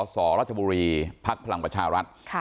สรัชบุรีภาคพลังประชารัฐ